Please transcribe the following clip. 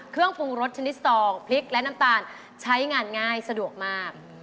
เครื่องปรุงรสชนิดสตองพริกและน้ำตาลใช้งานง่ายสะดวกมาก